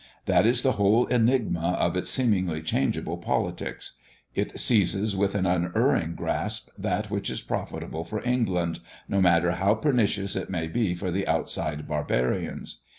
That is the whole enigma of its seemingly changeable politics. It seizes with an unerring grasp that which is profitable for England, no matter how pernicious it may be for the outside barbarians.